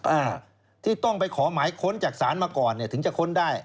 อ่าที่ต้องไปขอหมายค้นจากศาลมาก่อนเนี่ยถึงจะค้นได้